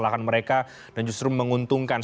lahan mereka dan justru menguntungkan